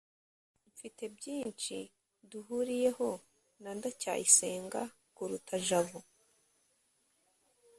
mfite byinshi duhuriyeho na ndacyayisenga kuruta jabo